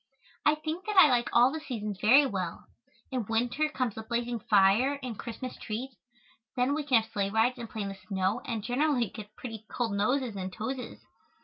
I think that I like all the seasons very well. In winter comes the blazing fire and Christmas treat. Then we can have sleigh rides and play in the snow and generally get pretty cold noses and toses.